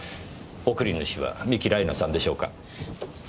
送り主は三樹ライナさんでしょうか？